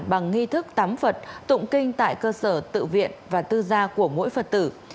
bằng nghi thức tắm phật tụng kinh tại cơ sở tự viện và tư gia của mỗi phật tử